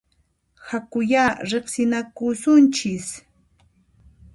Hakuyá riqsinakusunchis!